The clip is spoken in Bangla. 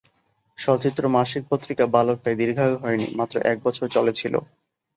সচিত্র মাসিক পত্রিকা 'বালক' তাই দীর্ঘায়ু হয়নি, মাত্র এক বছর চলেছিল।